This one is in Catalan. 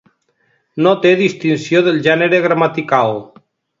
No té distinció del gènere gramatical.